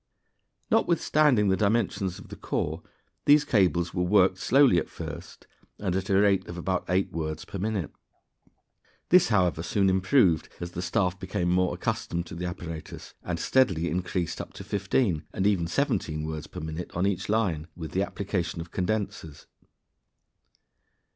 Notwithstanding the dimensions of the core, these cables were worked slowly at first, and at a rate of about eight words per minute. This, however, soon improved as the staff became more accustomed to the apparatus, and steadily increased up to fifteen and even seventeen words per minute on each line, with the application of condensers.